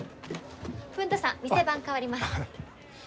文太さん店番代わります。